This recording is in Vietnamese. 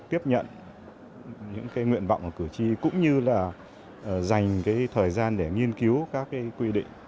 tiếp nhận những nguyện vọng của cử tri cũng như là dành thời gian để nghiên cứu các quy định